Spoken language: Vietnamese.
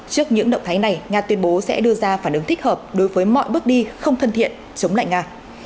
trước những động thái này nga tuyên bố sẽ đưa ra phản ứng thích hợp đối với mọi bước đi không thân thiện chống lại nga